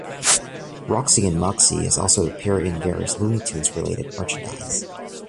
Rocky and Mugsy have also appeared in various Looney Tunes-related merchandise.